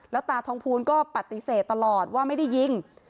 แล้วตาทองภูลก็ปฏิเสธตลอดว่าไม่ได้ยิง